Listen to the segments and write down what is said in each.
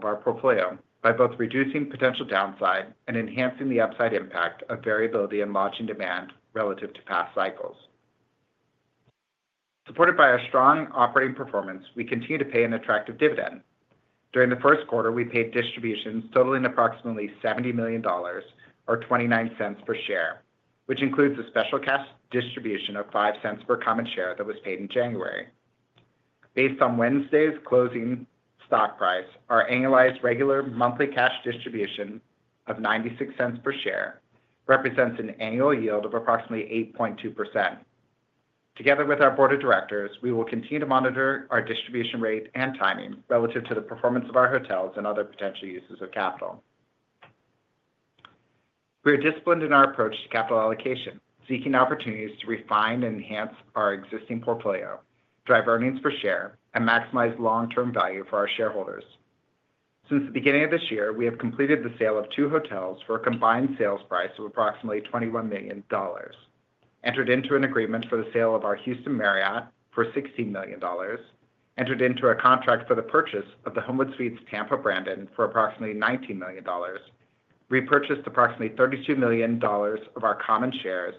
Of our portfolio by both reducing potential downside and enhancing the upside impact of variability in lodging demand relative to past cycles. Supported by our strong operating performance, we continue to pay an attractive dividend. During Q1, we paid distributions totaling approximately $70 million or $0.29 per share, which includes a special cash distribution of $0.05 per common share that was paid in January. Based on Wednesday's closing stock price, our annualized regular monthly cash distribution of $0.96 per share represents an annual yield of approximately 8.2%. Together with our board of directors, we will continue to monitor our distribution rate and timing relative to the performance of our hotels and other potential uses of capital. We are disciplined in our approach to capital allocation, seeking opportunities to refine and enhance our existing portfolio, drive earnings per share, and maximize long-term value for our shareholders. Since the beginning of this year, we have completed the sale of two hotels for a combined sales price of approximately $21 million, entered into an agreement for the sale of our Houston Marriott for $16 million, entered into a contract for the purchase of the Homewood Suites Tampa-Brandon for approximately $19 million, repurchased approximately $32 million of our common shares,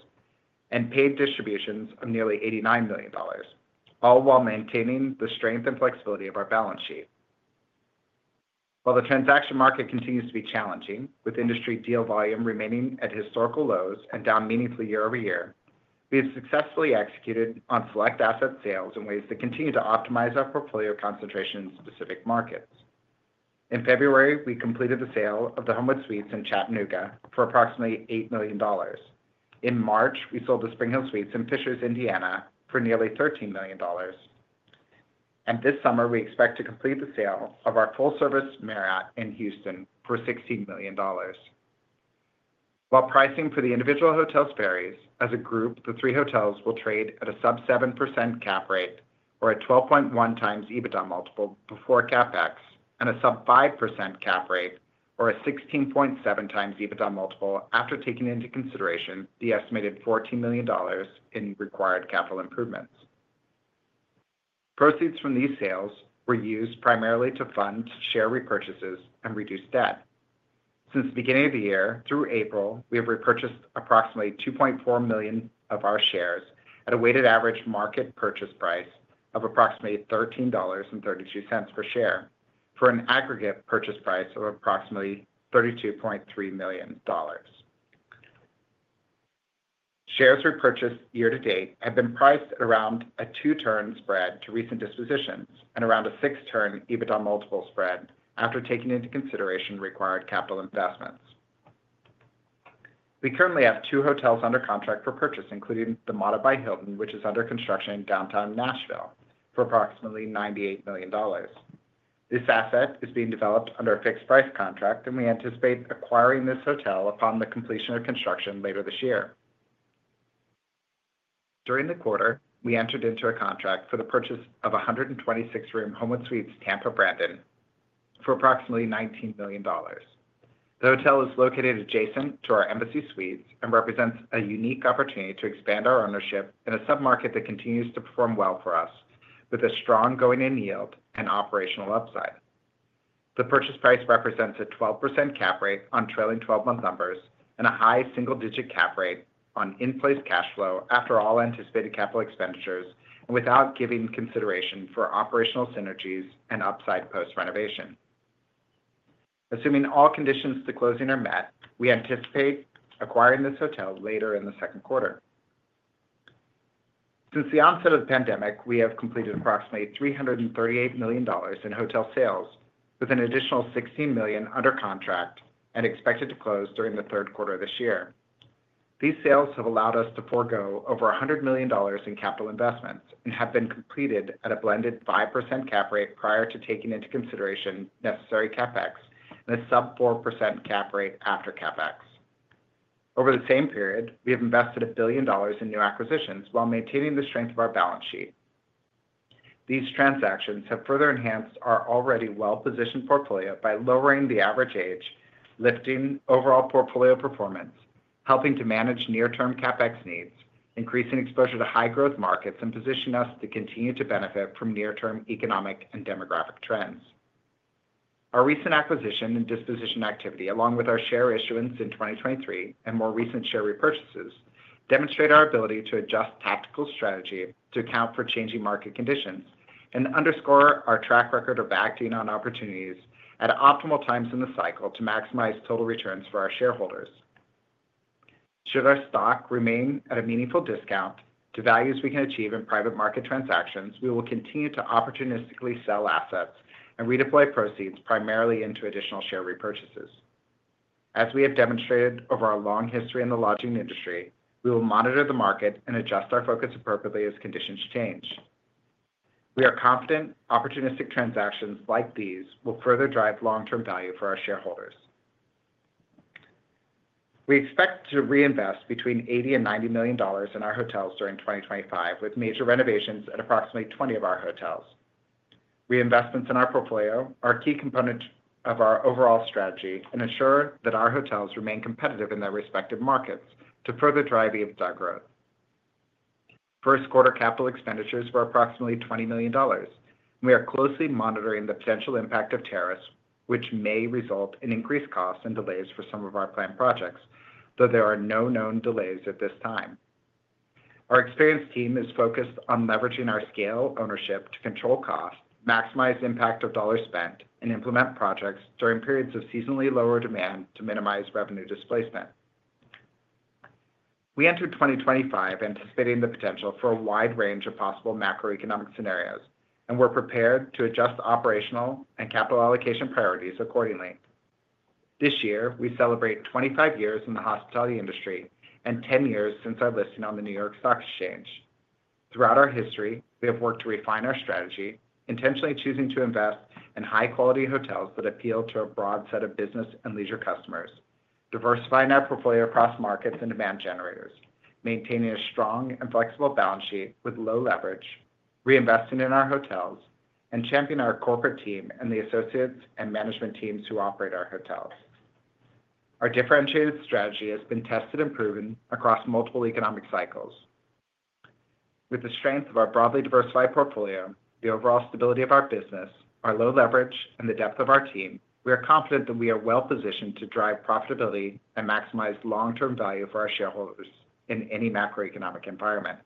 and paid distributions of nearly $89 million, all while maintaining the strength and flexibility of our balance sheet. While the transaction market continues to be challenging, with industry deal volume remaining at historical lows and down meaningfully year over year, we have successfully executed on select asset sales in ways that continue to optimize our portfolio concentration in specific markets. In February, we completed the sale of the Homewood Suites in Chattanooga for approximately $8 million. In March, we sold the SpringHill Suites in Fishers, Indiana, for nearly $13 million. This summer, we expect to complete the sale of our full-service Marriott in Houston for $16 million. While pricing for the individual hotels varies, as a group, the three hotels will trade at a sub-7% cap rate or a 12.1 times EBITDA multiple before CapEx and a sub-5% cap rate or a 16.7 times EBITDA multiple after taking into consideration the estimated $14 million in required capital improvements. Proceeds from these sales were used primarily to fund share repurchases and reduce debt. Since the beginning of the year, through April, we have repurchased approximately 2.4 million of our shares at a weighted average market purchase price of approximately $13.32 per share for an aggregate purchase price of approximately $32.3 million. Shares repurchased year to date have been priced at around a two-turn spread to recent dispositions and around a six-turn EBITDA multiple spread after taking into consideration required capital investments. We currently have two hotels under contract for purchase, including the Motto by Hilton, which is under construction in downtown Nashville, for approximately $98 million. This asset is being developed under a fixed-price contract, and we anticipate acquiring this hotel upon the completion of construction later this year. During the quarter, we entered into a contract for the purchase of a 126-room Homewood Suites Tampa-Brandon for approximately $19 million. The hotel is located adjacent to our Embassy Suites and represents a unique opportunity to expand our ownership in a submarket that continues to perform well for us with a strong going-in yield and operational upside. The purchase price represents a 12% cap rate on trailing 12-month numbers and a high single-digit cap rate on in-place cash flow after all anticipated capital expenditures and without giving consideration for operational synergies and upside post-renovation. Assuming all conditions to closing are met, we anticipate acquiring this hotel later in Q2. Since the onset of the pandemic, we have completed approximately $338 million in hotel sales, with an additional $16 million under contract and expected to close during Q3 of this year. These sales have allowed us to forgo over $100 million in capital investments and have been completed at a blended 5% cap rate prior to taking into consideration necessary CapEx and a sub-4% cap rate after CapEx. Over the same period, we have invested a billion dollars in new acquisitions while maintaining the strength of our balance sheet. These transactions have further enhanced our already well-positioned portfolio by lowering the average age, lifting overall portfolio performance, helping to manage near-term CapEx needs, increasing exposure to high-growth markets, and positioning us to continue to benefit from near-term economic and demographic trends. Our recent acquisition and disposition activity, along with our share issuance in 2023 and more recent share repurchases, demonstrate our ability to adjust tactical strategy to account for changing market conditions and underscore our track record of acting on opportunities at optimal times in the cycle to maximize total returns for our shareholders. Should our stock remain at a meaningful discount to values we can achieve in private market transactions, we will continue to opportunistically sell assets and redeploy proceeds primarily into additional share repurchases. As we have demonstrated over our long history in the lodging industry, we will monitor the market and adjust our focus appropriately as conditions change. We are confident opportunistic transactions like these will further drive long-term value for our shareholders. We expect to reinvest between $80 million and $90 million in our hotels during 2025, with major renovations at approximately 20 of our hotels. Reinvestments in our portfolio are a key component of our overall strategy and ensure that our hotels remain competitive in their respective markets to further drive EBITDA growth. Q1 capital expenditures were approximately $20 million. We are closely monitoring the potential impact of tariffs, which may result in increased costs and delays for some of our planned projects, though there are no known delays at this time. Our experienced team is focused on leveraging our scale ownership to control costs, maximize impact of dollars spent, and implement projects during periods of seasonally lower demand to minimize revenue displacement. We entered 2025 anticipating the potential for a wide range of possible macroeconomic scenarios and were prepared to adjust operational and capital allocation priorities accordingly. This year, we celebrate 25 years in the hospitality industry and 10 years since our listing on the New York Stock Exchange. Throughout our history, we have worked to refine our strategy, intentionally choosing to invest in high-quality hotels that appeal to a broad set of business and leisure customers, diversifying our portfolio across markets and demand generators, maintaining a strong and flexible balance sheet with low leverage, reinvesting in our hotels, and championing our corporate team and the associates and management teams who operate our hotels. Our differentiated strategy has been tested and proven across multiple economic cycles. With the strength of our broadly diversified portfolio, the overall stability of our business, our low leverage, and the depth of our team, we are confident that we are well-positioned to drive profitability and maximize long-term value for our shareholders in any macroeconomic environment.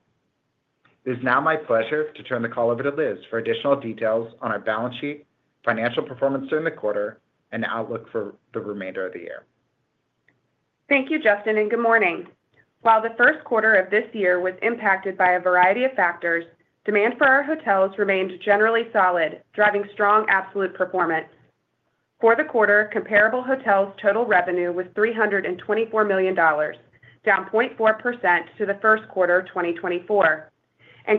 It is now my pleasure to turn the call over to Liz for additional details on our balance sheet, financial performance during the quarter, and outlook for the remainder of the year. Thank you, Justin, and good morning. While Q1 of this year was impacted by a variety of factors, demand for our hotels remained generally solid, driving strong absolute performance. For the quarter, comparable hotels' total revenue was $324 million, down 0.4% to Q1 of 2024.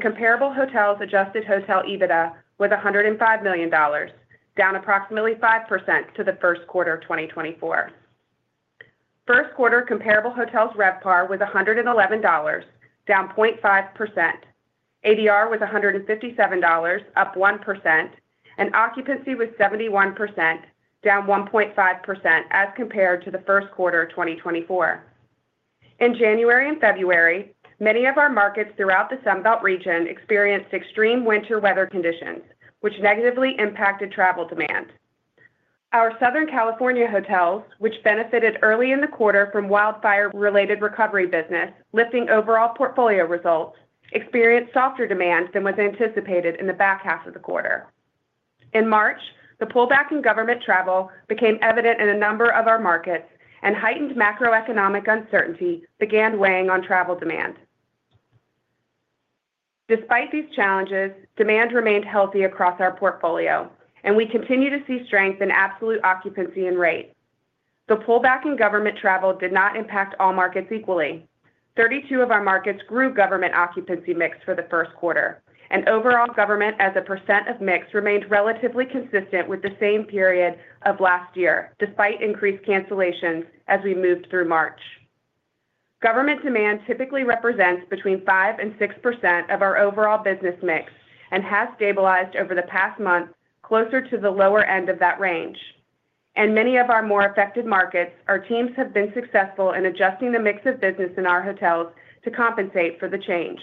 Comparable hotels adjusted hotel EBITDA was $105 million, down approximately 5% to Q1 of 2024. Q1, comparable hotels' RevPAR was $111, down 0.5%. ADR was $157, up 1%, and occupancy was 71%, down 1.5% as compared to Q1 of 2024. In January and February, many of our markets throughout the Sun Belt region experienced extreme winter weather conditions, which negatively impacted travel demand. Our Southern California hotels, which benefited early in the quarter from wildfire-related recovery business, lifting overall portfolio results, experienced softer demand than was anticipated in the back half of the quarter. In March, the pullback in government travel became evident in a number of our markets and heightened macroeconomic uncertainty began weighing on travel demand. Despite these challenges, demand remained healthy across our portfolio, and we continue to see strength in absolute occupancy and rate. The pullback in government travel did not impact all markets equally. 32 of our markets grew government occupancy mix for Q1, and overall government as a percent of mix remained relatively consistent with the same period of last year, despite increased cancellations as we moved through March. Government demand typically represents between 5% and 6% of our overall business mix and has stabilized over the past month closer to the lower end of that range. In many of our more affected markets, our teams have been successful in adjusting the mix of business in our hotels to compensate for the change.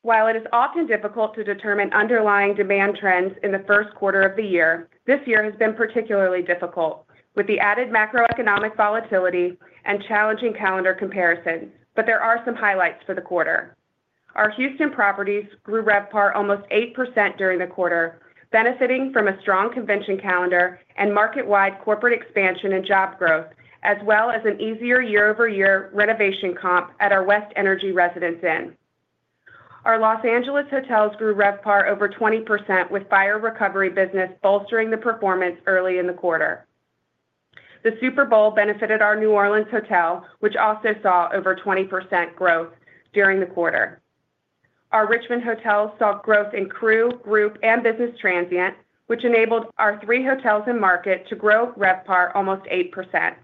While it is often difficult to determine underlying demand trends in Q1 of the year, this year has been particularly difficult with the added macroeconomic volatility and challenging calendar comparisons. There are some highlights for the quarter. Our Houston properties grew RevPAR almost 8% during the quarter, benefiting from a strong convention calendar and market-wide corporate expansion and job growth, as well as an easier year-over-year renovation comp at our West Energy Residence Inn. Our Los Angeles hotels grew RevPAR over 20%, with fire recovery business bolstering the performance early in the quarter. The Super Bowl benefited our New Orleans hotel, which also saw over 20% growth during the quarter. Our Richmond hotels saw growth in crew, group, and business transient, which enabled our three hotels and market to grow RevPAR almost 8%.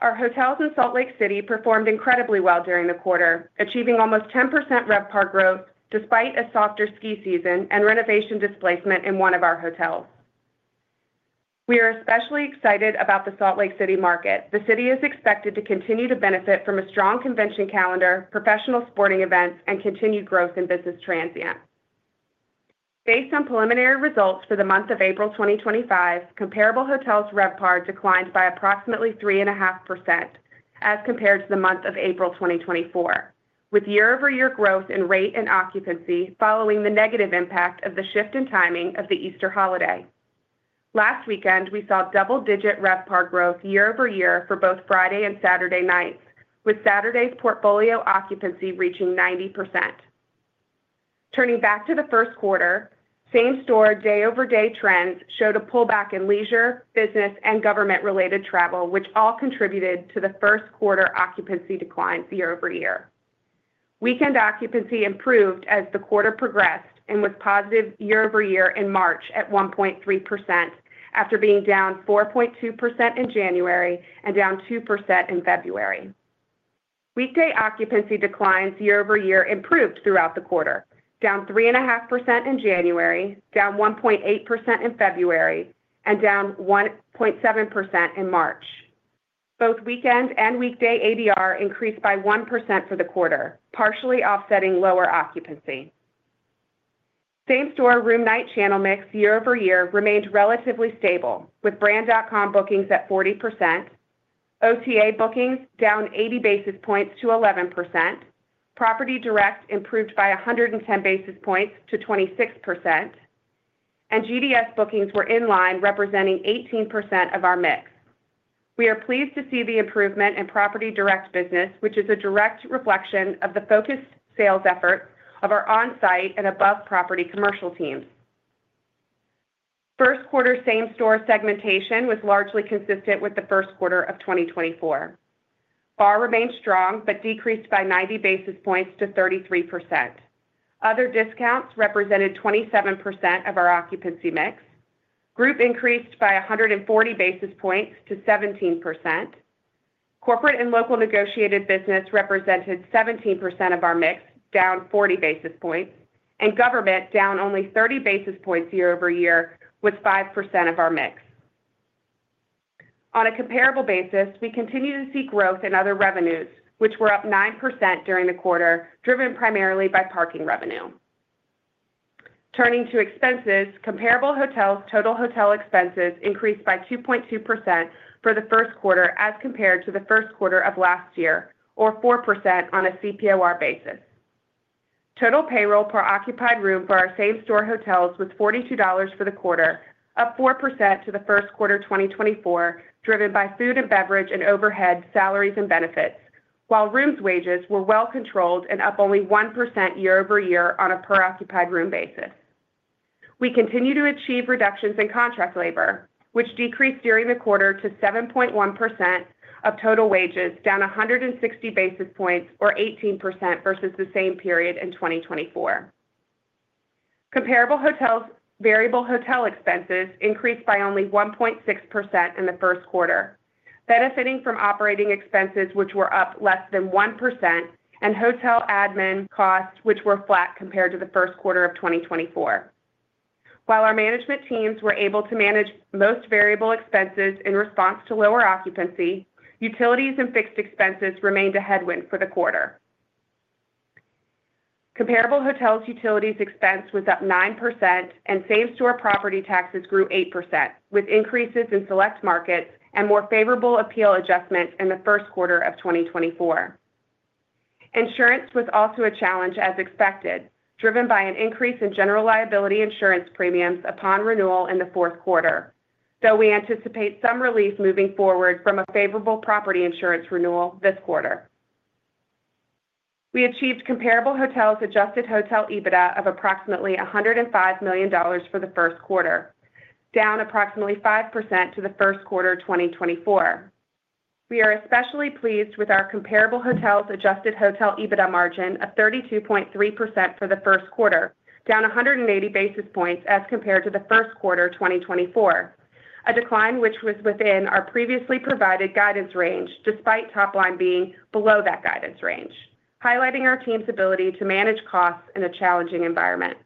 Our hotels in Salt Lake City performed incredibly well during the quarter, achieving almost 10% RevPAR growth despite a softer ski season and renovation displacement in one of our hotels. We are especially excited about the Salt Lake City market. The city is expected to continue to benefit from a strong convention calendar, professional sporting events, and continued growth in business transient. Based on preliminary results for the month of April 2025, comparable hotels' RevPAR declined by approximately 3.5% as compared to the month of April 2024, with year-over-year growth in rate and occupancy following the negative impact of the shift in timing of the Easter holiday. Last weekend, we saw double-digit RevPAR growth year-over-year for both Friday and Saturday nights, with Saturday's portfolio occupancy reaching 90%. Turning back to Q1, same-store day-over-day trends showed a pullback in leisure, business, and government-related travel, which all contributed to Q1 occupancy decline year-over-year. Weekend occupancy improved as the quarter progressed and was positive year-over-year in March at 1.3% after being down 4.2% in January and down 2% in February. Weekday occupancy declines year-over-year improved throughout the quarter, down 3.5% in January, down 1.8% in February, and down 1.7% in March. Both weekend and weekday ADR increased by 1% for the quarter, partially offsetting lower occupancy. Same-store room-night channel mix year-over-year remained relatively stable, with brand.com bookings at 40%, OTA bookings down 80 basis points to 11%, Property Direct improved by 110 basis points to 26%, and GDS bookings were in line, representing 18% of our mix. We are pleased to see the improvement in Property Direct business, which is a direct reflection of the focused sales efforts of our on-site and above-property commercial teams. Q1 same-store segmentation was largely consistent with Q1 of 2024. BAR remained strong but decreased by 90 basis points to 33%. Other discounts represented 27% of our occupancy mix. Group increased by 140 basis points to 17%. Corporate and local negotiated business represented 17% of our mix, down 40 basis points, and government down only 30 basis points year-over-year, with 5% of our mix. On a comparable basis, we continue to see growth in other revenues, which were up 9% during the quarter, driven primarily by parking revenue. Turning to expenses, comparable hotels' total hotel expenses increased by 2.2% for Q1 as compared to Q1 of last year, or 4% on a CPOR basis. Total payroll per occupied room for our same-store hotels was $42 for the quarter, up 4% to Q1 2024, driven by food and beverage and overhead salaries and benefits, while rooms' wages were well-controlled and up only 1% year-over-year on a per-occupied room basis. We continue to achieve reductions in contract labor, which decreased during the quarter to 7.1% of total wages, down 160 basis points, or 18% versus the same period in 2024. Comparable hotels' variable hotel expenses increased by only 1.6% in Q1, benefiting from operating expenses, which were up less than 1%, and hotel admin costs, which were flat compared to Q1 of 2024. While our management teams were able to manage most variable expenses in response to lower occupancy, utilities and fixed expenses remained a headwind for the quarter. Comparable hotels' utilities expense was up 9%, and same-store property taxes grew 8%, with increases in select markets and more favorable appeal adjustments in Q1 of 2024. Insurance was also a challenge, as expected, driven by an increase in general liability insurance premiums upon renewal in Q4, though we anticipate some relief moving forward from a favorable property insurance renewal this quarter. We achieved comparable hotels' adjusted hotel EBITDA of approximately $105 million for Q1, down approximately 5% to Q1 of 2024. We are especially pleased with our comparable hotels' adjusted hotel EBITDA margin of 32.3% for Q1, down 180 basis points as compared to Q1 of 2024, a decline which was within our previously provided guidance range despite top line being below that guidance range, highlighting our team's ability to manage costs in a challenging environment.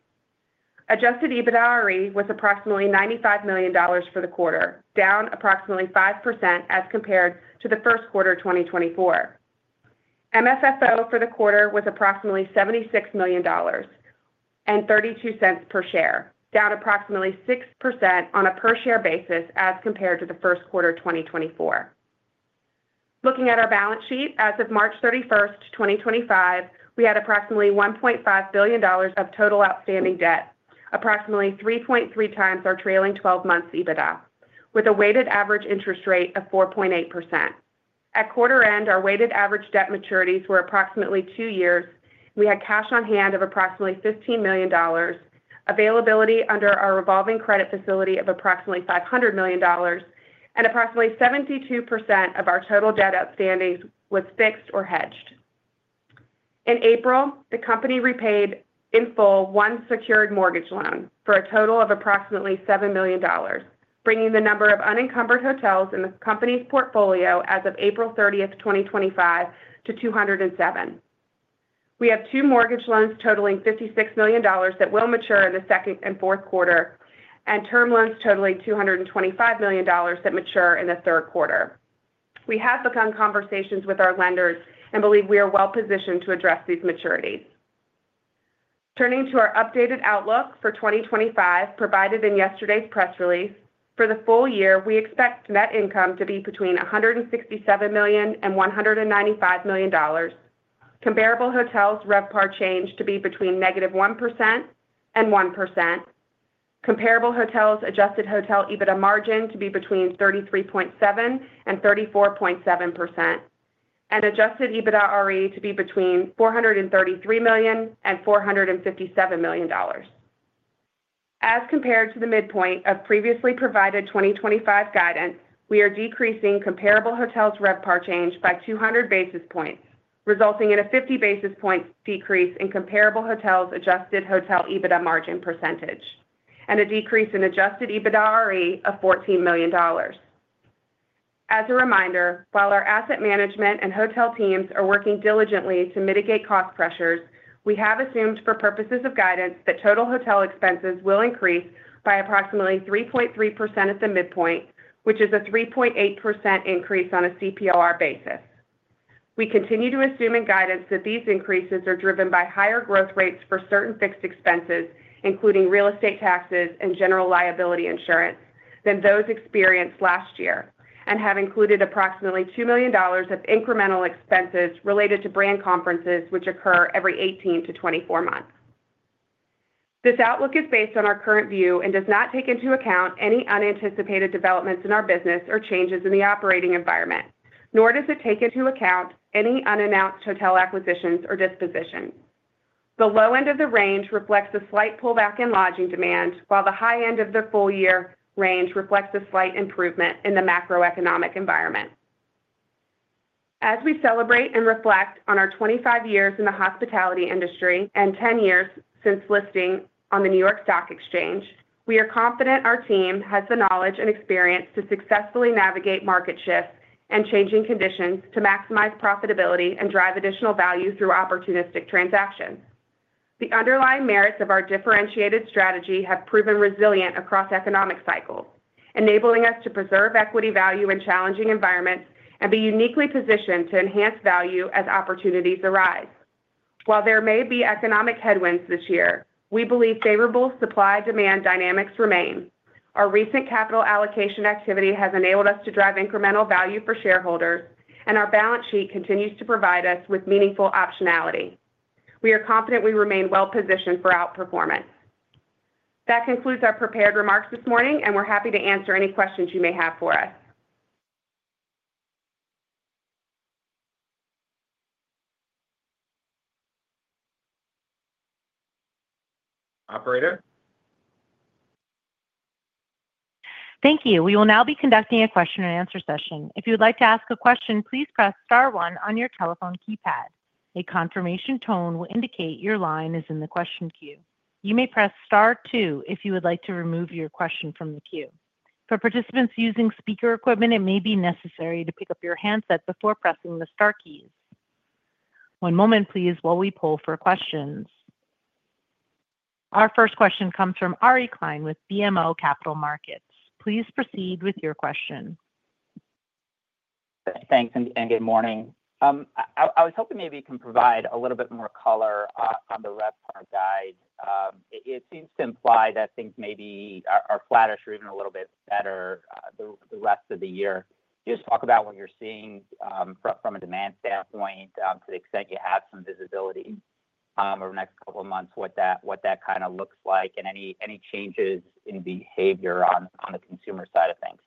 Adjusted EBITDA RE was approximately $95 million for the quarter, down approximately 5% as compared to Q1 of 2024. MFFO for the quarter was approximately $76 million and $0.32 per share, down approximately 6% on a per-share basis as compared to Q1 of 2024. Looking at our balance sheet, as of March 31, 2025, we had approximately $1.5 billion of total outstanding debt, approximately 3.3x our trailing 12 months EBITDA, with a weighted average interest rate of 4.8%. At quarter end, our weighted average debt maturities were approximately two years. We had cash on hand of approximately $15 million, availability under our revolving credit facility of approximately $500 million, and approximately 72% of our total debt outstandings was fixed or hedged. In April, the company repaid in full one secured mortgage loan for a total of approximately $7 million, bringing the number of unencumbered hotels in the company's portfolio as of April 30, 2025, to 207. We have two mortgage loans totaling $56 million that will mature in the second and Q4, and term loans totaling $225 million that mature in Q3. We have begun conversations with our lenders and believe we are well-positioned to address these maturities. Turning to our updated outlook for 2025, provided in yesterday's press release, for the full year, we expect net income to be between $167 million and $195 million. Comparable hotels' RevPAR change to be between negative 1% and 1%. Comparable hotels' adjusted hotel EBITDA margin to be between 33.7%-34.7%, and adjusted EBITDA RE to be between $433 million and $457 million. As compared to the midpoint of previously provided 2025 guidance, we are decreasing comparable hotels' RevPAR change by 200 basis points, resulting in a 50 basis point decrease in comparable hotels' adjusted hotel EBITDA margin percentage, and a decrease in adjusted EBITDA RE of $14 million. As a reminder, while our asset management and hotel teams are working diligently to mitigate cost pressures, we have assumed for purposes of guidance that total hotel expenses will increase by approximately 3.3% at the midpoint, which is a 3.8% increase on a CPOR basis. We continue to assume in guidance that these increases are driven by higher growth rates for certain fixed expenses, including real estate taxes and general liability insurance, than those experienced last year, and have included approximately $2 million of incremental expenses related to brand conferences, which occur every 18 to 24 months. This outlook is based on our current view and does not take into account any unanticipated developments in our business or changes in the operating environment, nor does it take into account any unannounced hotel acquisitions or dispositions. The low end of the range reflects a slight pullback in lodging demand, while the high end of the full-year range reflects a slight improvement in the macroeconomic environment. As we celebrate and reflect on our 25 years in the hospitality industry and 10 years since listing on the New York Stock Exchange, we are confident our team has the knowledge and experience to successfully navigate market shifts and changing conditions to maximize profitability and drive additional value through opportunistic transactions. The underlying merits of our differentiated strategy have proven resilient across economic cycles, enabling us to preserve equity value in challenging environments and be uniquely positioned to enhance value as opportunities arise. While there may be economic headwinds this year, we believe favorable supply-demand dynamics remain. Our recent capital allocation activity has enabled us to drive incremental value for shareholders, and our balance sheet continues to provide us with meaningful optionality. We are confident we remain well-positioned for outperformance. That concludes our prepared remarks this morning, and we're happy to answer any questions you may have for us. Operator. Thank you. We will now be conducting a question-and-answer session. If you would like to ask a question, please press star one on your telephone keypad. A confirmation tone will indicate your line is in the question queue. You may press star two if you would like to remove your question from the queue. For participants using speaker equipment, it may be necessary to pick up your handset before pressing the star keys. One moment, please, while we pull for questions. Our first question comes from Ari Klein with BMO Capital Markets. Please proceed with your question. Thanks, and good morning. I was hoping maybe you can provide a little bit more color on the RevPAR guide. It seems to imply that things maybe are flattish or even a little bit better the rest of the year. Just talk about what you're seeing from a demand standpoint to the extent you have some visibility over the next couple of months, what that kind of looks like, and any changes in behavior on the consumer side of things.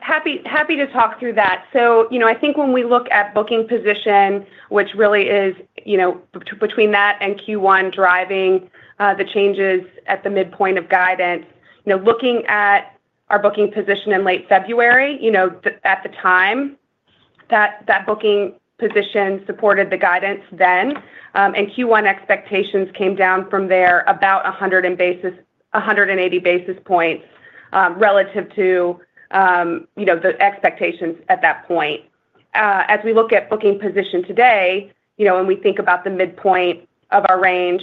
Happy to talk through that. I think when we look at booking position, which really is between that and Q1 driving the changes at the midpoint of guidance, looking at our booking position in late February, at the time, that booking position supported the guidance then, and Q1 expectations came down from there about 180 basis points relative to the expectations at that point. As we look at booking position today, we only think about the midpoint of our range,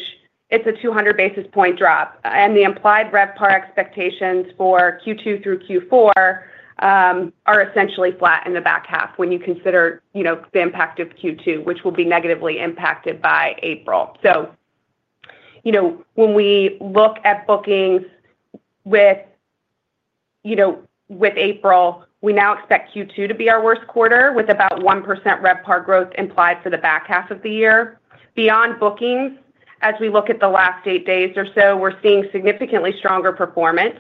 it's a 200 basis point drop, and the implied RevPAR expectations for Q2 through Q4 are essentially flat in the back half when you consider the impact of Q2, which will be negatively impacted by April. When we look at bookings with April, we now expect Q2 to be our worst quarter with about 1% RevPAR growth implied for the back half of the year. Beyond bookings, as we look at the last eight days or so, we're seeing significantly stronger performance.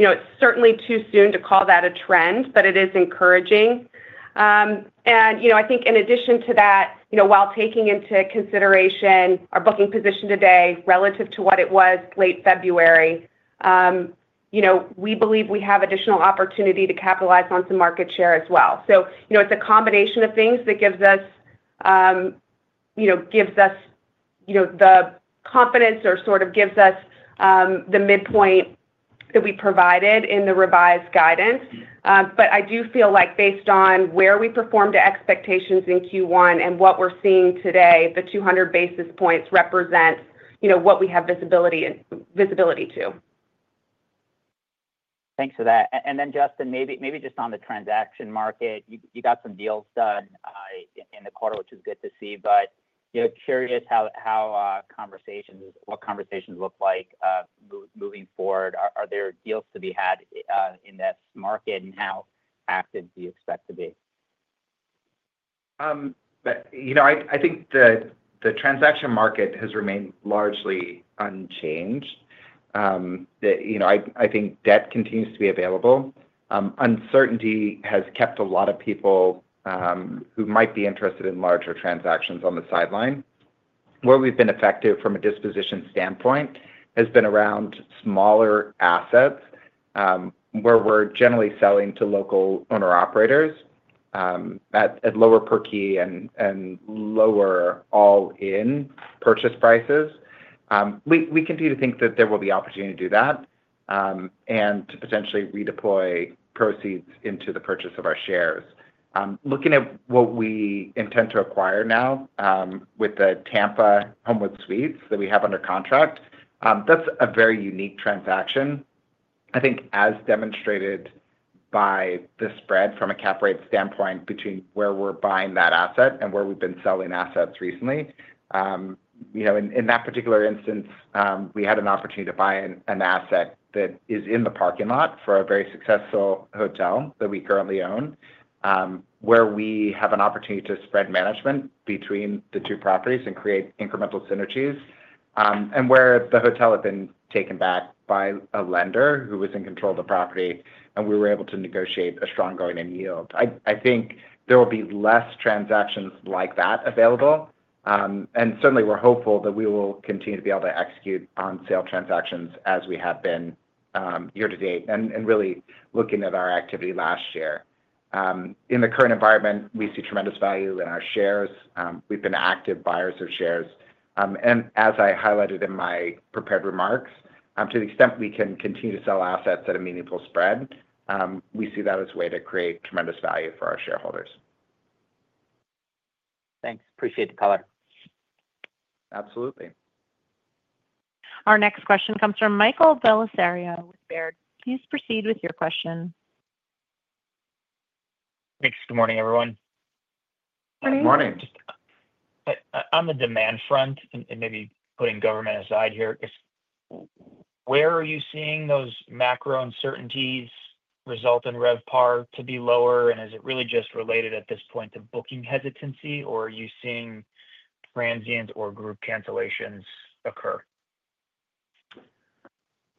It is certainly too soon to call that a trend, but it is encouraging. I think in addition to that, while taking into consideration our booking position today relative to what it was late February, we believe we have additional opportunity to capitalize on some market share as well. It is a combination of things that gives us the confidence or sort of gives us the midpoint that we provided in the revised guidance. I do feel like based on where we performed to expectations in Q1 and what we're seeing today, the 200 basis points represent what we have visibility to. Thanks for that. Justin, maybe just on the transaction market, you got some deals done in the quarter, which is good to see, but curious how conversations look like moving forward. Are there deals to be had in this market, and how active do you expect to be? I think the transaction market has remained largely unchanged. I think debt continues to be available. Uncertainty has kept a lot of people who might be interested in larger transactions on the sideline. Where we've been effective from a disposition standpoint has been around smaller assets, where we're generally selling to local owner-operators at lower per-key and lower all-in purchase prices. We continue to think that there will be opportunity to do that and to potentially redeploy proceeds into the purchase of our shares. Looking at what we intend to acquire now with the Tampa Homewood Suites that we have under contract, that's a very unique transaction. I think as demonstrated by the spread from a cap rate standpoint between where we're buying that asset and where we've been selling assets recently. In that particular instance, we had an opportunity to buy an asset that is in the parking lot for a very successful hotel that we currently own, where we have an opportunity to spread management between the two properties and create incremental synergies, and where the hotel had been taken back by a lender who was in control of the property, and we were able to negotiate a strong going and yield. I think there will be less transactions like that available, and certainly we're hopeful that we will continue to be able to execute on sale transactions as we have been year to date and really looking at our activity last year. In the current environment, we see tremendous value in our shares. We've been active buyers of shares. As I highlighted in my prepared remarks, to the extent we can continue to sell assets at a meaningful spend, we see that as a way to create tremendous value for our shareholders. Thanks. Appreciate the color. Absolutely. Our next question comes from Michael Bellisario with Baird. Please proceed with your question. Thanks. Good morning, everyone. Morning. On the demand front, and maybe putting government aside here, where are you seeing those macro uncertainties result in RevPAR to be lower, and is it really just related at this point to booking hesitancy, or are you seeing transient or group cancellations occur?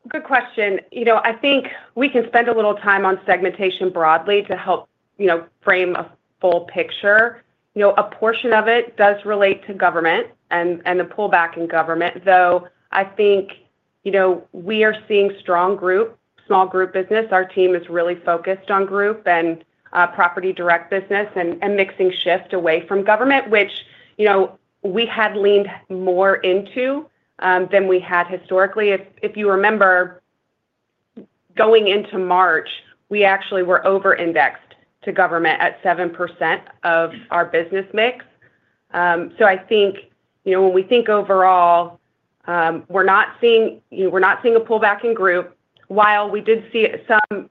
Good question. I think we can spend a little time on segmentation broadly to help frame a full picture. A portion of it does relate to government and the pullback in government, though I think we are seeing strong group, small group business. Our team is really focused on group and property direct business and mixing shift away from government, which we had leaned more into than we had historically. If you remember, going into March, we actually were over-indexed to government at 7% of our business mix. I think when we think overall, we're not seeing a pullback in group. While we did see some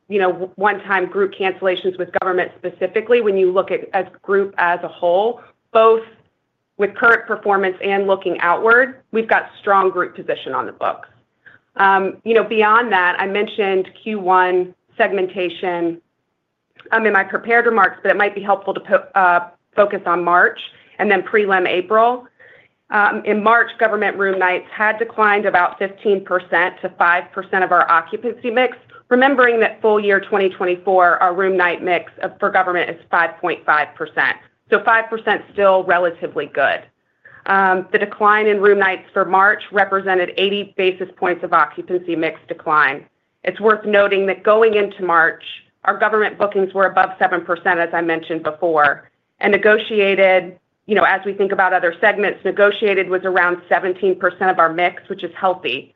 one-time group cancellations with government specifically, when you look at group as a whole, both with current performance and looking outward, we've got strong group position on the books. Beyond that, I mentioned Q1 segmentation in my prepared remarks, but it might be helpful to focus on March and then prelim April. In March, government room nights had declined about 15% to 5% of our occupancy mix, remembering that full year 2024, our room night mix for government is 5.5%. So 5% still relatively good. The decline in room nights for March represented 80 basis points of occupancy mix decline. It's worth noting that going into March, our government bookings were above 7%, as I mentioned before, and negotiated, as we think about other segments, negotiated was around 17% of our mix, which is healthy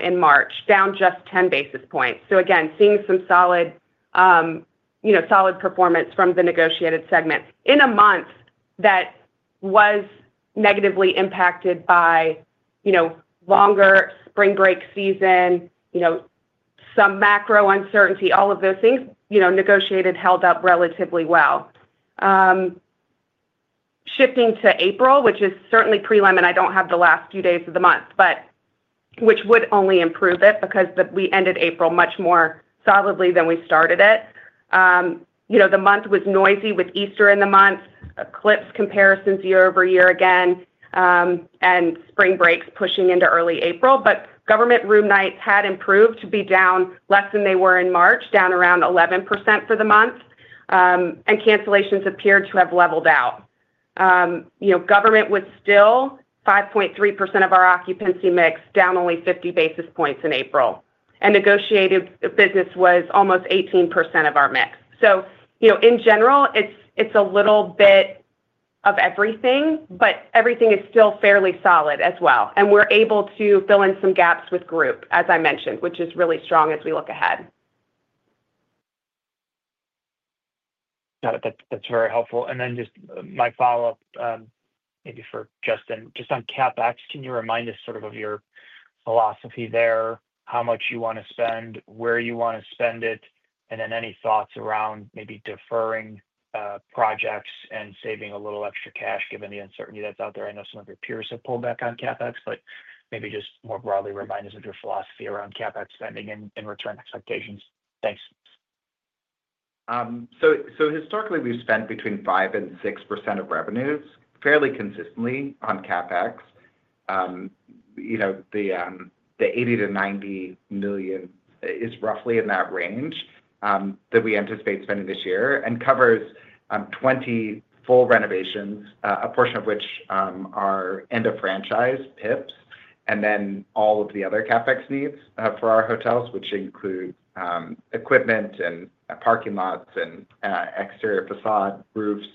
in March, down just 10 basis points. Again, seeing some solid performance from the negotiated segment. In a month that was negatively impacted by longer spring break season, some macro uncertainty, all of those things, negotiated held up relatively well. Shifting to April, which is certainly prelim and I do not have the last few days of the month, which would only improve it because we ended April much more solidly than we started it. The month was noisy with Easter in the month, eclipse comparisons year-over-year again, and spring breaks pushing into early April, but government room nights had improved to be down less than they were in March, down around 11% for the month, and cancellations appeared to have leveled out. Government was still 5.3% of our occupancy mix, down only 50 basis points in April, and negotiated business was almost 18% of our mix. In general, it's a little bit of everything, but everything is still fairly solid as well, and we're able to fill in some gaps with group, as I mentioned, which is really strong as we look ahead. That's very helpful. Just my follow-up maybe for Justin. Just on CapEx, can you remind us sort of of your philosophy there, how much you want to spend, where you want to spend it, and then any thoughts around maybe deferring projects and saving a little extra cash given the uncertainty that's out there? I know some of your peers have pulled back on CapEx, but maybe just more broadly remind us of your philosophy around CapEx spending and return expectations. Thanks. Historically, we've spent between 5% and 6% of revenues fairly consistently on CapEx. The $80 million-$90 million is roughly in that range that we anticipate spending this year and covers 20 full renovations, a portion of which are end-of-franchise PIPs, and then all of the other CapEx needs for our hotels, which include equipment and parking lots and exterior facade roofs.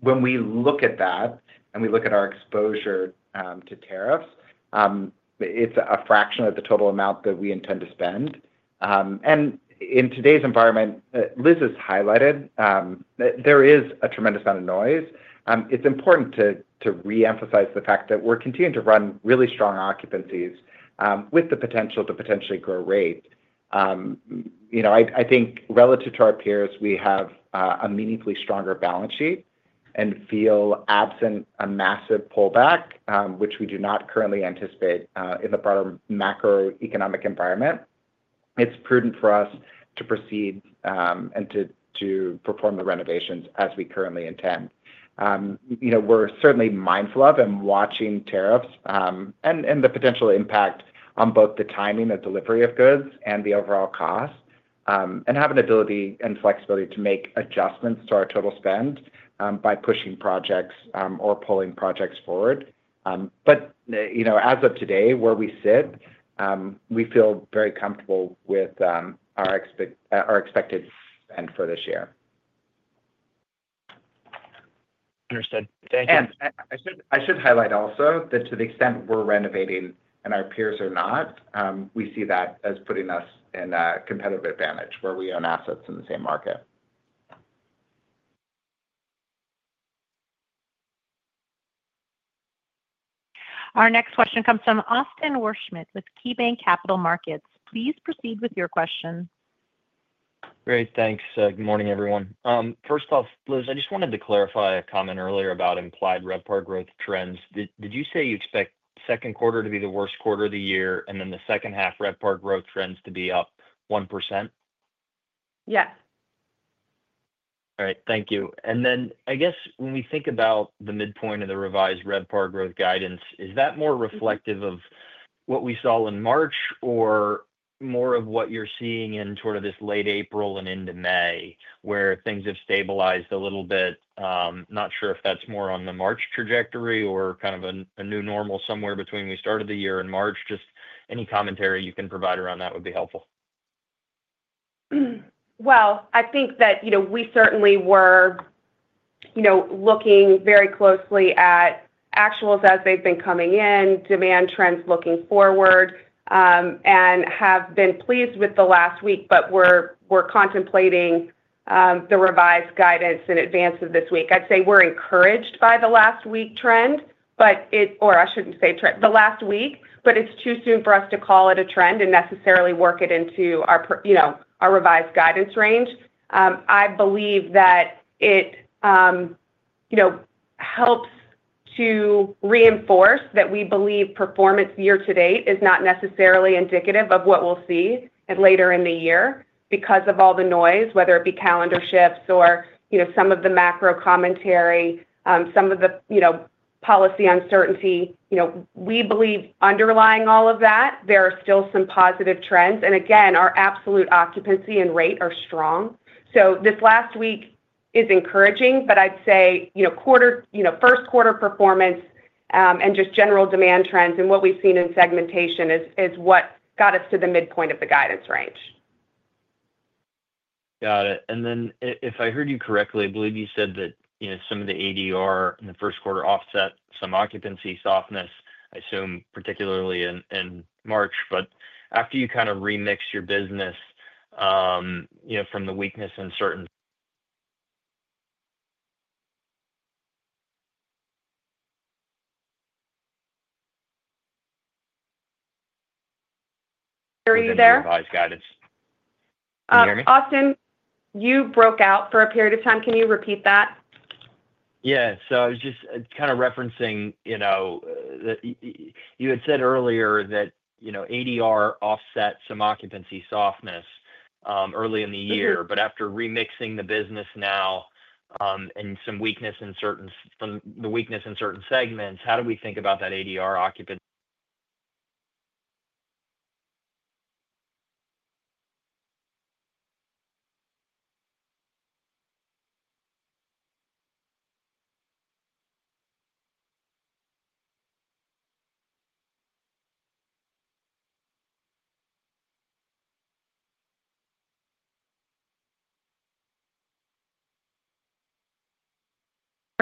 When we look at that and we look at our exposure to tariffs, it's a fraction of the total amount that we intend to spend. In today's environment, Liz has highlighted, there is a tremendous amount of noise. It's important to reemphasize the fact that we're continuing to run really strong occupancies with the potential to potentially grow rate. I think relative to our peers, we have a meaningfully stronger balance sheet and feel absent a massive pullback, which we do not currently anticipate in the broader macroeconomic environment. It's prudent for us to proceed and to perform the renovations as we currently intend. We're certainly mindful of and watching tariffs and the potential impact on both the timing of delivery of goods and the overall cost and have an ability and flexibility to make adjustments to our total spend by pushing projects or pulling projects forward. As of today, where we sit, we feel very comfortable with our expected spend for this year. Understood. Thank you. I should highlight also that to the extent we're renovating and our peers are not, we see that as putting us in a competitive advantage where we own assets in the same market. Our next question comes from Austin Wurschmidt with KeyBanc Capital Markets. Please proceed with your question. Great. Thanks. Good morning, everyone. First off, Liz, I just wanted to clarify a comment earlier about implied RevPAR growth trends. Did you say you expect Q2 to be the worst quarter of the year and then the second half RevPAR growth trends to be up 1%? Yes. All right. Thank you. I guess when we think about the midpoint of the revised RevPAR growth guidance, is that more reflective of what we saw in March or more of what you're seeing in sort of this late April and into May where things have stabilized a little bit? Not sure if that's more on the March trajectory or kind of a new normal somewhere between where we started the year and March. Just any commentary you can provide around that would be helpful. I think that we certainly were looking very closely at actuals as they've been coming in, demand trends looking forward, and have been pleased with the last week, but we're contemplating the revised guidance in advance of this week. I'd say we're encouraged by the last week trend, or I shouldn't say trend, the last week, but it's too soon for us to call it a trend and necessarily work it into our revised guidance range. I believe that it helps to reinforce that we believe performance year to date is not necessarily indicative of what we'll see later in the year because of all the noise, whether it be calendar shifts or some of the macro commentary, some of the policy uncertainty. We believe underlying all of that, there are still some positive trends. Again, our absolute occupancy and rate are strong. This last week is encouraging, but I'd say Q1 performance and just general demand trends and what we've seen in segmentation is what got us to the midpoint of the guidance range. Got it. If I heard you correctly, I believe you said that some of the ADR in Q1 offset some occupancy softness, I assume particularly in March, but after you kind of remix your business from the weakness in certain [inaudible] —are you there? revised guidance. Can you hear me? Austin, you broke out for a period of time. Can you repeat that? Yeah. I was just kind of referencing that you had said earlier that ADR offset some occupancy softness early in the year, but after remixing the business now and some weakness in certain segments, how do we think about that ADR [inaudible] We're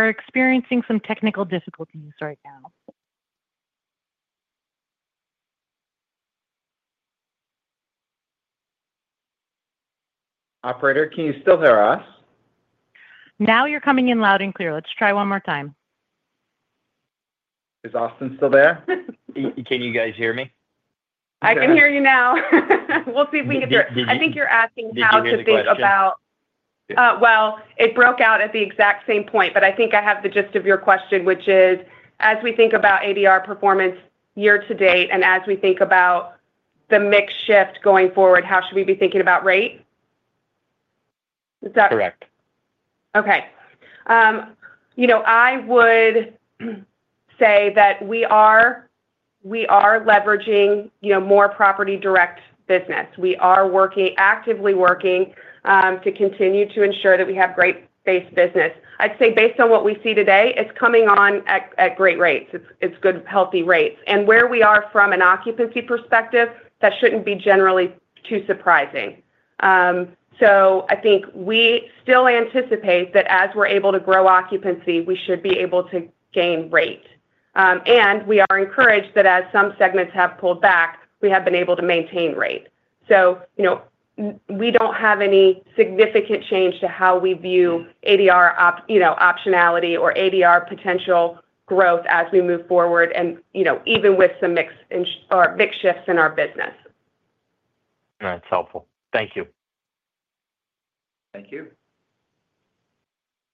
experiencing some technical difficulties right now. Operator, can you still hear us? Now you're coming in loud and clear. Let's try one more time. Is Austin still there? Can you guys hear me? I can hear you now. We'll see if we can—I think you're asking how to think about—well, it broke out at the exact same point, but I think I have the gist of your question, which is, as we think about ADR performance year to date and as we think about the mix shift going forward, how should we be thinking about rate? Is that correct? Okay. I would say that we are leveraging more property direct business. We are actively working to continue to ensure that we have great-based business. I'd say based on what we see today, it's coming on at great rates. It's good, healthy rates. And where we are from an occupancy perspective, that shouldn't be generally too surprising. I think we still anticipate that as we're able to grow occupancy, we should be able to gain rate. We are encouraged that as some segments have pulled back, we have been able to maintain rate. We don't have any significant change to how we view ADR optionality or ADR potential growth as we move forward, even with some mixed or big shifts in our business. That's helpful. Thank you. Thank you.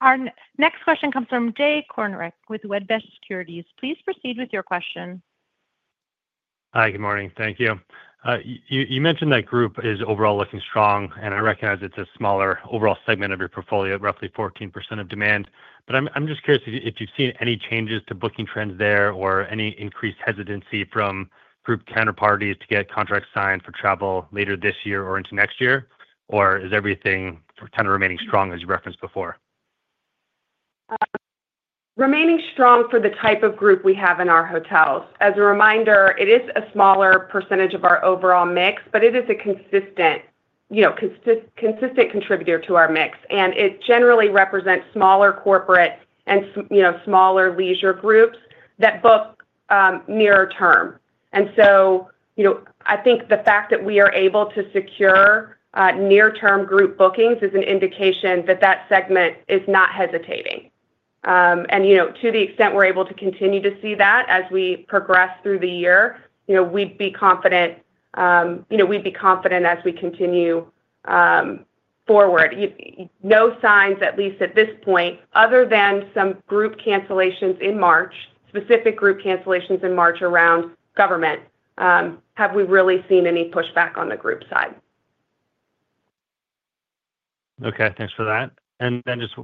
Our next question comes from Jay Kornreich with Wedbush Securities. Please proceed with your question. Hi. Good morning. Thank you. You mentioned that group is overall looking strong, and I recognize it's a smaller overall segment of your portfolio, roughly 14% of demand. I'm just curious if you've seen any changes to booking trends there or any increased hesitancy from group counterparties to get contracts signed for travel later this year or into next year, or is everything kind of remaining strong as you referenced before? Remaining strong for the type of group we have in our hotels. As a reminder, it is a smaller percentage of our overall mix, but it is a consistent contributor to our mix. It generally represents smaller corporate and smaller leisure groups that book nearer term. I think the fact that we are able to secure near-term group bookings is an indication that that segment is not hesitating. To the extent we're able to continue to see that as we progress through the year, we'd be confident. We'd be confident as we continue forward. No signs, at least at this point, other than some group cancellations in March, specific group cancellations in March around government, have we really seen any pushback on the group side. Okay. Thanks for that.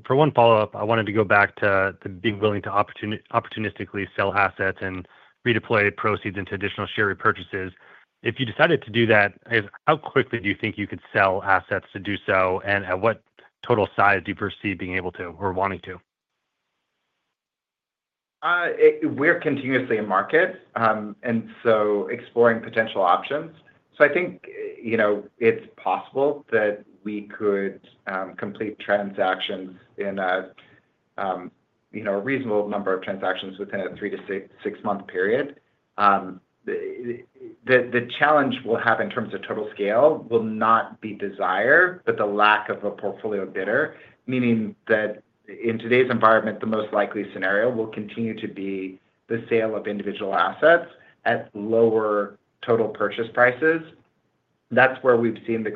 For one follow-up, I wanted to go back to being willing to opportunistically sell assets and redeploy proceeds into additional share repurchases. If you decided to do that, how quickly do you think you could sell assets to do so, and at what total size do you foresee being able to or wanting to? We are continuously in market and exploring potential options. I think it is possible that we could complete transactions in a reasonable number of transactions within a three- to six-month period. The challenge we'll have in terms of total scale will not be desire, but the lack of a portfolio bidder, meaning that in today's environment, the most likely scenario will continue to be the sale of individual assets at lower total purchase prices. That's where we've seen the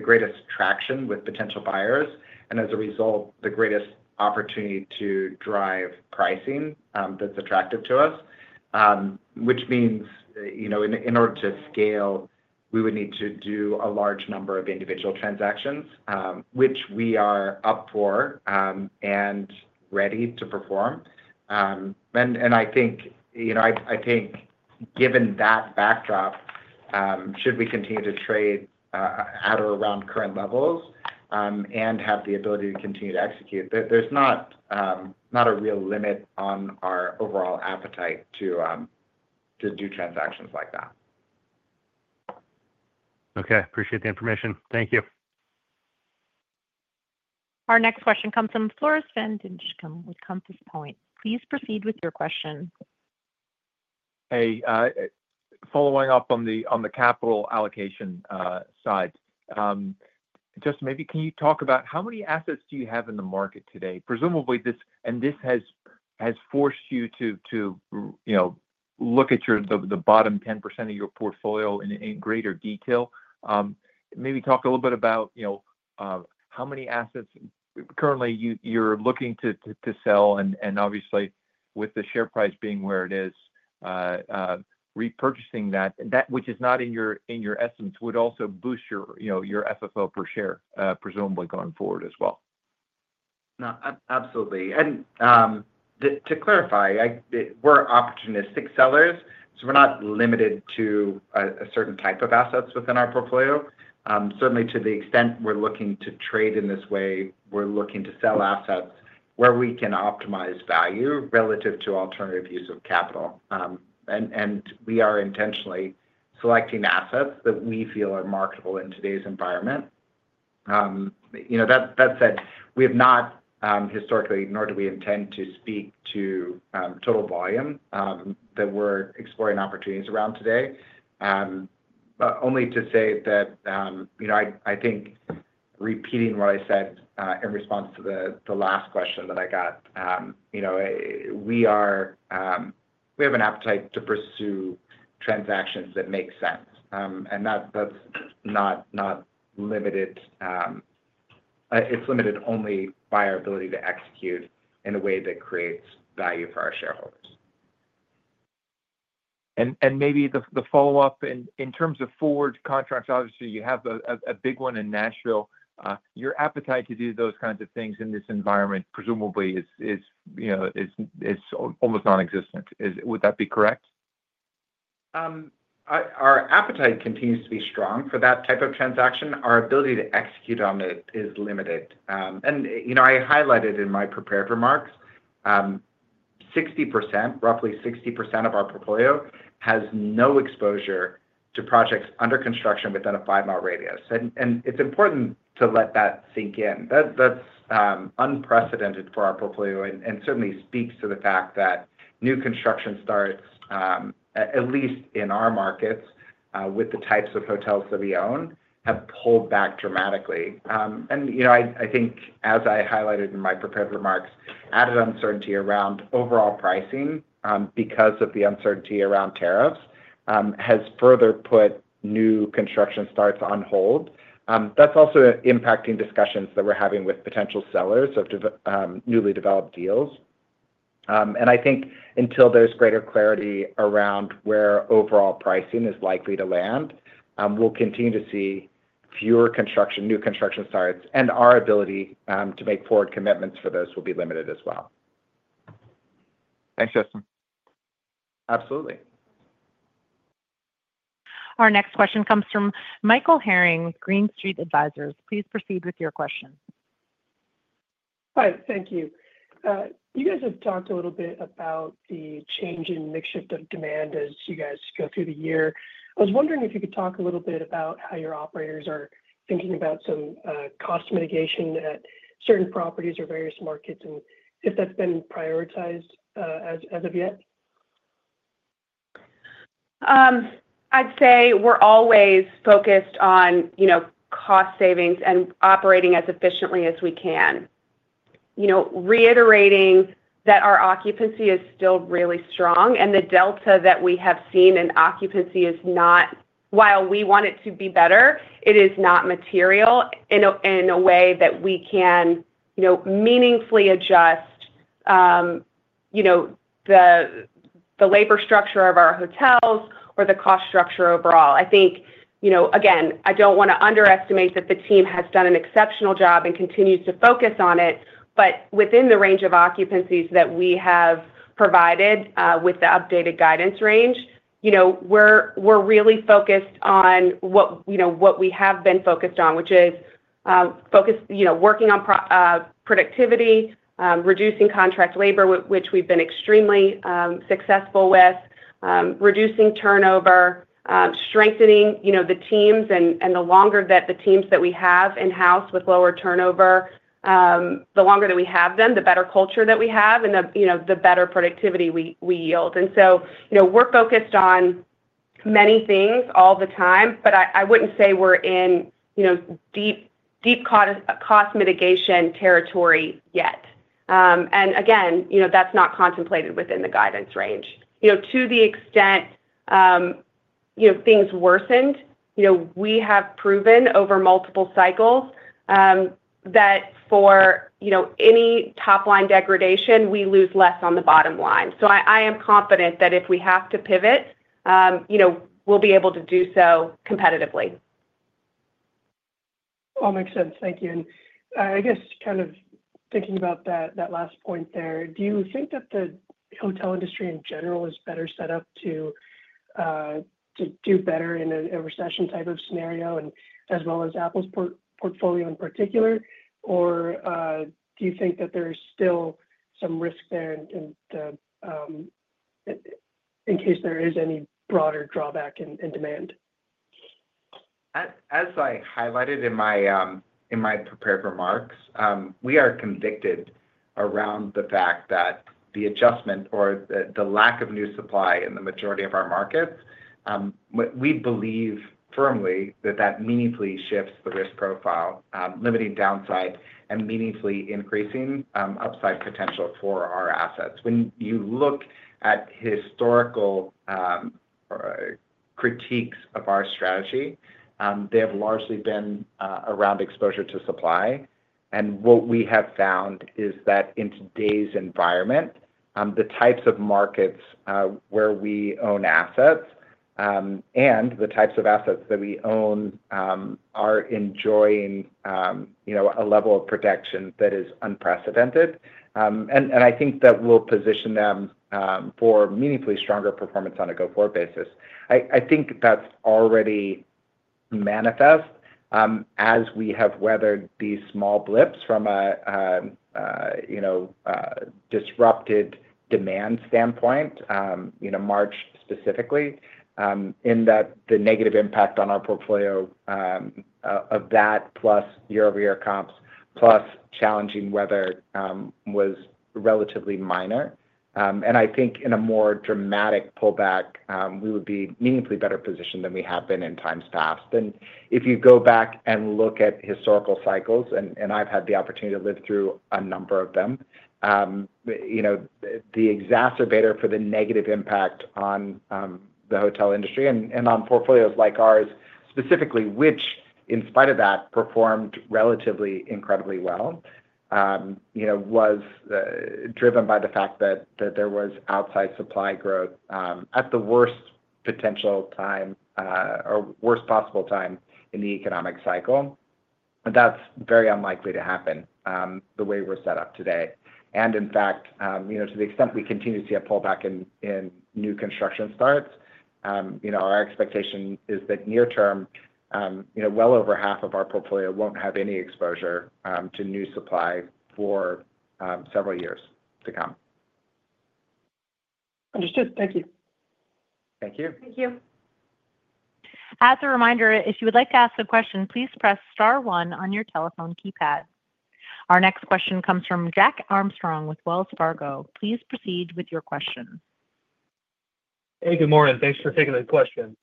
greatest traction with potential buyers, and as a result, the greatest opportunity to drive pricing that's attractive to us, which means in order to scale, we would need to do a large number of individual transactions, which we are up for and ready to perform. I think given that backdrop, should we continue to trade at or around current levels and have the ability to continue to execute, there's not a real limit on our overall appetite to do transactions like that. Okay. Appreciate the information. Thank you. Our next question comes from Floris van Dijkum with Compass Point. Please proceed with your question. Hey. Following up on the capital allocation side, just maybe can you talk about how many assets do you have in the market today? Presumably, this has forced you to look at the bottom 10% of your portfolio in greater detail. Maybe talk a little bit about how many assets currently you're looking to sell, and obviously, with the share price being where it is, repurchasing that, which is not in your estimates, would also boost your FFO per share, presumably going forward as well. Absolutely. To clarify, we're opportunistic sellers, so we're not limited to a certain type of assets within our portfolio. Certainly, to the extent we're looking to trade in this way, we're looking to sell assets where we can optimize value relative to alternative use of capital. We are intentionally selecting assets that we feel are marketable in today's environment. That said, we have not historically, nor do we intend to speak to total volume that we're exploring opportunities around today. Only to say that I think repeating what I said in response to the last question that I got, we have an appetite to pursue transactions that make sense. That is not limited; it is limited only by our ability to execute in a way that creates value for our shareholders. Maybe the follow-up in terms of forward contracts, obviously, you have a big one in Nashville. Your appetite to do those kinds of things in this environment, presumably, is almost nonexistent. Would that be correct? Our appetite continues to be strong for that type of transaction. Our ability to execute on it is limited. I highlighted in my prepared remarks, 60%, roughly 60% of our portfolio has no exposure to projects under construction within a five-mile radius. It is important to let that sink in. That is unprecedented for our portfolio and certainly speaks to the fact that new construction starts, at least in our markets with the types of hotels that we own, have pulled back dramatically. I think, as I highlighted in my prepared remarks, added uncertainty around overall pricing because of the uncertainty around tariffs has further put new construction starts on hold. That is also impacting discussions that we are having with potential sellers of newly developed deals. I think until there is greater clarity around where overall pricing is likely to land, we will continue to see fewer new construction starts, and our ability to make forward commitments for those will be limited as well. Thanks, Justin. Absolutely. Our next question comes from Michael Herring, Green Street Advisors. Please proceed with your question. Hi. Thank you. You guys have talked a little bit about the change in mix shift of demand as you guys go through the year. I was wondering if you could talk a little bit about how your operators are thinking about some cost mitigation at certain properties or various markets and if that's been prioritized as of yet. I'd say we're always focused on cost savings and operating as efficiently as we can, reiterating that our occupancy is still really strong, and the delta that we have seen in occupancy is not, while we want it to be better, it is not material in a way that we can meaningfully adjust the labor structure of our hotels or the cost structure overall. I think, again, I don't want to underestimate that the team has done an exceptional job and continues to focus on it, but within the range of occupancies that we have provided with the updated guidance range, we're really focused on what we have been focused on, which is working on productivity, reducing contract labor, which we've been extremely successful with, reducing turnover, strengthening the teams. The longer that the teams that we have in-house with lower turnover, the longer that we have them, the better culture that we have, and the better productivity we yield. We are focused on many things all the time, but I wouldn't say we're in deep cost mitigation territory yet. Again, that's not contemplated within the guidance range. To the extent things worsened, we have proven over multiple cycles that for any top-line degradation, we lose less on the bottom line. I am confident that if we have to pivot, we'll be able to do so competitively. All makes sense. Thank you. I guess kind of thinking about that last point there, do you think that the hotel industry in general is better set up to do better in a recession type of scenario as well as Apple Hospitality REIT's portfolio in particular, or do you think that there's still some risk there in case there is any broader drawback in demand? As I highlighted in my prepared remarks, we are convicted around the fact that the adjustment or the lack of new supply in the majority of our markets, we believe firmly that that meaningfully shifts the risk profile, limiting downside and meaningfully increasing upside potential for our assets. When you look at historical critiques of our strategy, they have largely been around exposure to supply. What we have found is that in today's environment, the types of markets where we own assets and the types of assets that we own are enjoying a level of protection that is unprecedented. I think that will position them for meaningfully stronger performance on a go-forward basis. I think that's already manifest as we have weathered these small blips from a disrupted demand standpoint, March specifically, in that the negative impact on our portfolio of that, plus year-over-year comps, plus challenging weather was relatively minor. I think in a more dramatic pullback, we would be meaningfully better positioned than we have been in times past. If you go back and look at historical cycles, and I've had the opportunity to live through a number of them, the exacerbator for the negative impact on the hotel industry and on portfolios like ours, specifically, which in spite of that performed relatively incredibly well, was driven by the fact that there was outside supply growth at the worst potential time or worst possible time in the economic cycle. That is very unlikely to happen the way we're set up today. In fact, to the extent we continue to see a pullback in new construction starts, our expectation is that near-term, well over half of our portfolio will not have any exposure to new supply for several years to come. Understood. Thank you. Thank you. Thank you. As a reminder, if you would like to ask a question, please press star one on your telephone keypad. Our next question comes from Jack Armstrong with Wells Fargo. Please proceed with your question. Hey, good morning. Thanks for taking the question.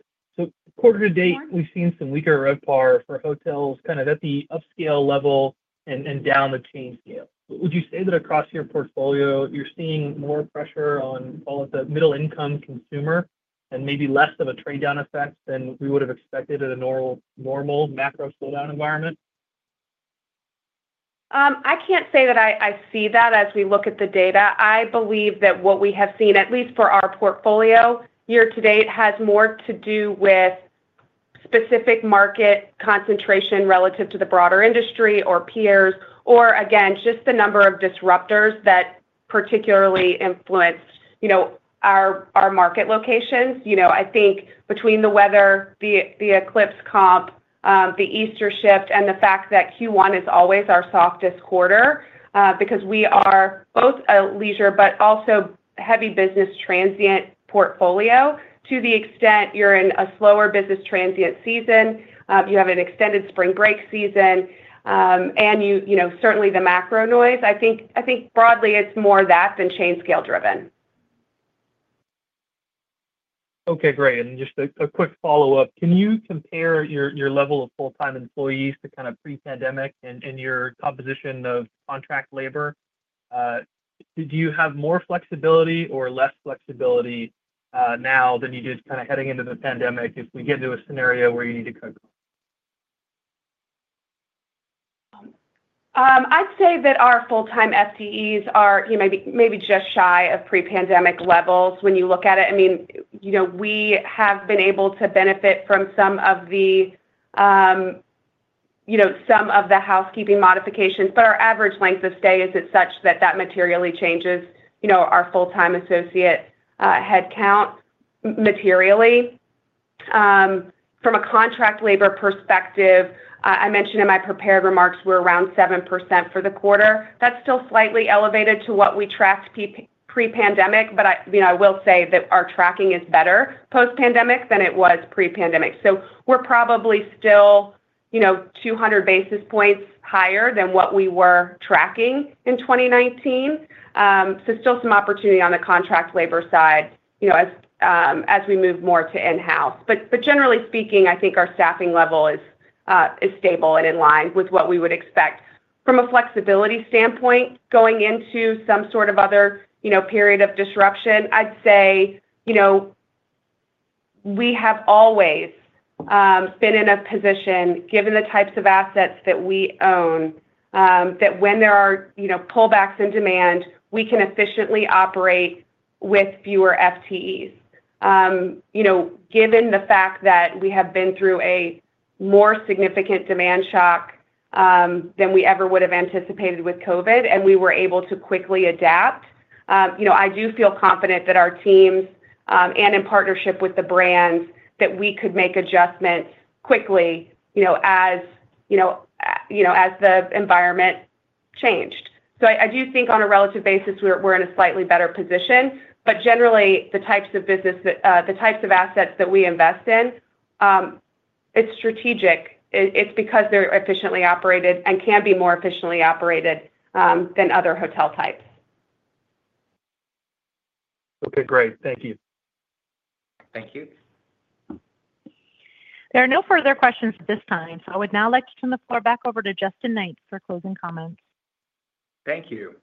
Quarter to date, we've seen some weaker RevPAR for hotels kind of at the upscale level and down the chain scale. Would you say that across your portfolio, you're seeing more pressure on all of the middle-income consumer and maybe less of a trade-down effect than we would have expected in a normal macro slowdown environment? I can't say that I see that as we look at the data. I believe that what we have seen, at least for our portfolio year to date, has more to do with specific market concentration relative to the broader industry or peers, or again, just the number of disruptors that particularly influenced our market locations. I think between the weather, the eclipse comp, the Easter shift, and the fact that Q1 is always our softest quarter because we are both a leisure but also heavy business transient portfolio, to the extent you're in a slower business transient season, you have an extended spring break season, and certainly the macro noise. I think broadly, it's more that than chain scale-driven. Okay. Great. Just a quick follow-up. Can you comare your level of full-time employees to kind of pre-pandemic and your composition of contract labor? Do you have more flexibility or less flexibility now than you did kind of heading into the pandemic if we get into a scenario where you need to cope? I'd say that our full-time FTEs are maybe just shy of pre-pandemic levels when you look at it. I mean, we have been able to benefit from some of the housekeeping modifications, but our average length of stay isn't such that that materially changes our full-time associate headcount materially. From a contract labor perspective, I mentioned in my prepared remarks, we're around 7% for the quarter. That's still slightly elevated to what we tracked pre-pandemic, but I will say that our tracking is better post-pandemic than it was pre-pandemic. We are probably still 200 basis points higher than what we were tracking in 2019. There is still some opportunity on the contract labor side as we move more to in-house. Generally speaking, I think our staffing level is stable and in line with what we would expect. From a flexibility standpoint, going into some sort of other period of disruption, I'd say we have always been in a position, given the types of assets that we own, that when there are pullbacks in demand, we can efficiently operate with fewer FTEs. Given the fact that we have been through a more significant demand shock than we ever would have anticipated with COVID, and we were able to quickly adapt, I do feel confident that our teams and in partnership with the brands that we could make adjustments quickly as the environment changed. I do think on a relative basis, we're in a slightly better position. Generally, the types of business, the types of assets that we invest in, it's strategic. It's because they're efficiently operated and can be more efficiently operated than other hotel types. Okay. Great. Thank you. Thank you. There are no further questions at this time. I would now like to turn the floor back over to Justin Knight for closing comments. Thank you.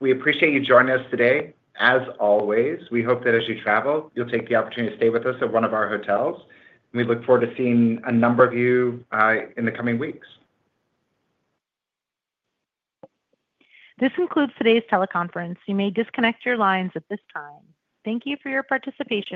We appreciate you joining us today. As always, we hope that as you travel, you'll take the opportunity to stay with us at one of our hotels. We look forward to seeing a number of you in the coming weeks. This concludes today's teleconference. You may disconnect your lines at this time. Thank you for your participation.